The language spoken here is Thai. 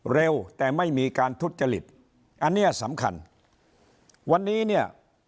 เร็วแต่ไม่มีการทุจริตอันเนี้ยสำคัญวันนี้เนี่ย